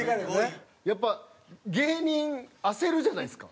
やっぱ芸人焦るじゃないですか。